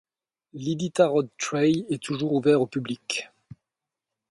L'Iditarod Trail est toujours ouvert au public.